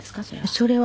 それは。